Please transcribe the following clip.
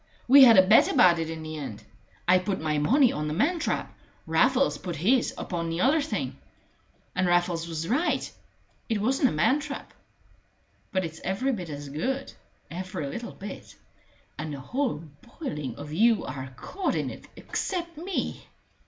We had a bet about it in the end. I put my money on the man trap. Raffles put his upon the other thing. And Raffles was right it wasn't a man trap. But it's every bit as good every little bit and the whole boiling of you are caught in it except me!"